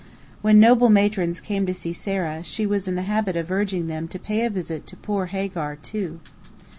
When noble matrons came to see Sarah, she was in the habit of urging them to pay a visit to "poor Hagar," too.